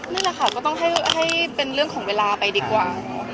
นั่นแหละค่ะก็ต้องให้เป็นเรื่องของเวลาไปดีกว่า